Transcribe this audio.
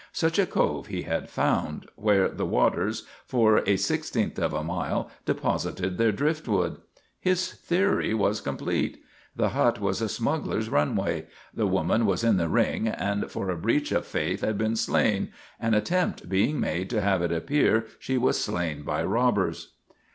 Such a cove he had found, where the waters for a sixteenth of a mile deposited their driftwood. His theory was complete. The hut was a smuggler's runway; the woman was in the ring and for a breach of faith had been slain, an attempt being made to have it appear she was slain by robbers.